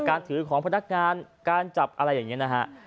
การถือของพนักงานการจับอะไรอย่างนี้นะฮะ